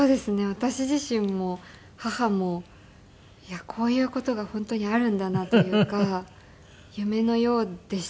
私自身も母もこういう事が本当にあるんだなというか夢のようでしたね。